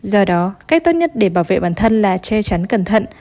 do đó cách tốt nhất để bảo vệ bản thân là che chắn cẩn thận